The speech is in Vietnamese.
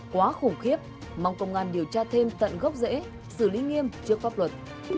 quá khủng khiếp mong công an điều tra thêm tận gốc dễ xử lý nghiêm trước pháp luật